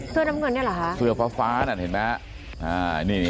เสื้อน้ำเงินเนี่ยเหรอคะเสื้อฟ้าฟ้านั่นเห็นไหมฮะ